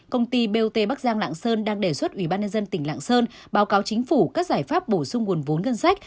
công ty bot bắc giang lạng sơn đang đề xuất ubnd tỉnh lạng sơn báo cáo chính phủ các giải pháp bổ sung nguồn vốn ngân sách